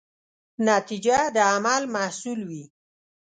نتیجه د عمل محصول وي.